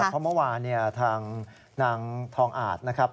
เพราะเมื่อวานทางนางทองอาจนะครับ